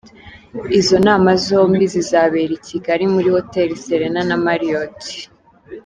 Izo nama zombi zizabera i Kigali muri Hoteli Serena na Marriot.